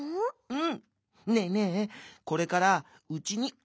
「うん」。